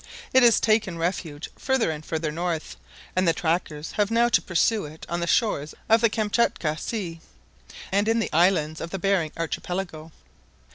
It has taken refuge further and further north, and the trackers have now to pursue it on the shores of the Kamtchatka Sea, and in the islands of the Behring Archipelago.